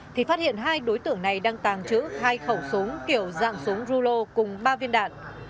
thì phát hiện hai đối tượng này đang tàng trữ hai khẩu súng kiểu dạng súng rulo cùng ba viên đạn